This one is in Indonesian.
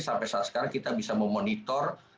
sampai saat sekarang kita bisa memonitor